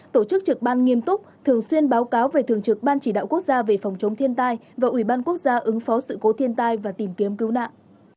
tổ chức trực ban nghiêm túc thường xuyên báo cáo về thường trực ban chỉ đạo quốc gia về phòng chống thiên tai và ủy ban quốc gia ứng phó sự cố thiên tai và tìm kiếm cứu nạn